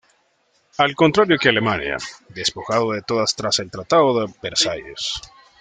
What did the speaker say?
Al contrario que Alemania, despojada de todas tras el Tratado de Versalles.